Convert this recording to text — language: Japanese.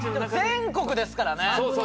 全国ですからね！